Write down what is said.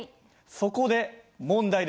そこで問題です。